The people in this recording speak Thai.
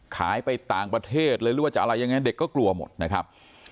ไปต่างประเทศเลยหรือว่าจะอะไรยังไงเด็กก็กลัวหมดนะครับ